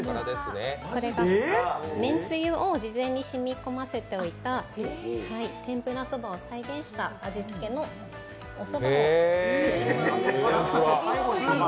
これが、めんつゆを事前に染み込ませておいた、天ぷら蕎麦を再現した味つけのお蕎麦を。